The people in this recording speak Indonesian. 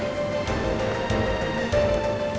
bukan untuk kebahagiaan